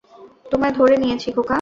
তোমায় ধরে নিয়েছি, খোকা।